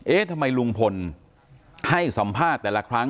เอ๊ะทำไมลุงพลให้สัมภาษณ์แต่ละครั้ง